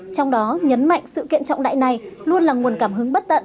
trong đó nhấn mạnh sự kiện trọng đại này luôn là nguồn cảm hứng bất tận